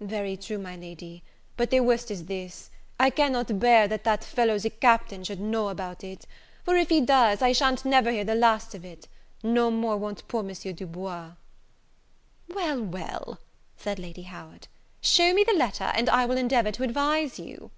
"Very true, my Lady: but the worst thing is this; I cannot bear that that fellow the Captain should know about it; for if he does, I sha'n't never hear the last of it; no more won't poor M. Du Bois." "Well, well," said Lady Howard, "shew me the letter, and I will endeavour to advise you."